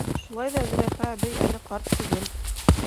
Шулай ҙа Зөләйха әбей әле ҡарт түгел.